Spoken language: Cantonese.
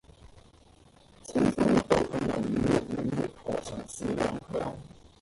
青山一道同雲雨，明月何曾是兩鄉